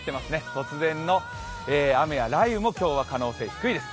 突然の雨や雷雨も、今日は可能性は低いです。